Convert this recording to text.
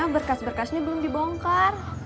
berkas berkasnya belum dibongkar